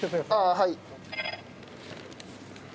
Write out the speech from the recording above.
はい。